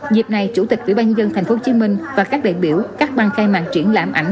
dịp này chủ tịch ủy ban dân tp hcm và các đại biểu cắt băng khai mạng triển lãm ảnh